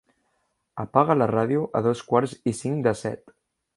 Apaga la ràdio a dos quarts i cinc de set.